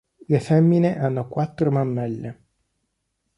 Le femmine hanno quattro mammelle.